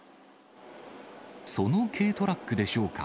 その軽トラックでしょうか。